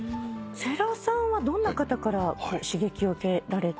世良さんはどんな方から刺激を受けられたんですか？